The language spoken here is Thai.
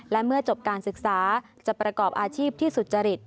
และเมื่อจบการศึกษาจะประกอบอาชีพที่สุจริต